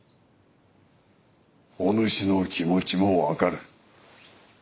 お主の気持ちも分かる。